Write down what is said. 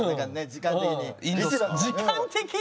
「時間的に」？